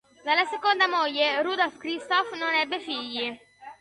Dalla seconda moglie Rudolf Christoph non ebbe figli.